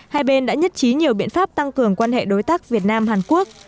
hai bên đã nhất trí nhiều biện pháp tăng cường quan hệ đối tác việt nam hàn quốc